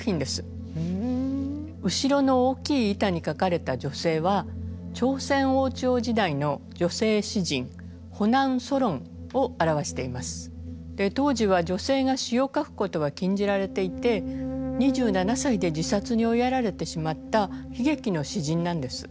後ろの大きい板に描かれた女性は当時は女性が詩を書くことは禁じられていて２７歳で自殺に追いやられてしまった悲劇の詩人なんです。